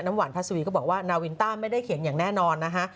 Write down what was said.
หวานพัสวีก็บอกว่านาวินต้าไม่ได้เขียนอย่างแน่นอนนะฮะ